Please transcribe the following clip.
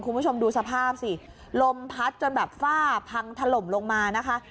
คุณผู้ชมดูสภาพสิลมพัดจนแบบฝ้าพังถล่มลงมานะคะ